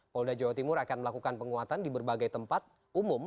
polda jawa timur akan melakukan penguatan di berbagai tempat umum